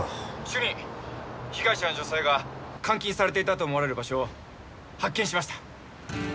「主任」被害者の女性が監禁されていたと思われる場所を発見しました。